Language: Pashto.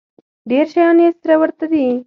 ډېر شیان یې سره ورته دي.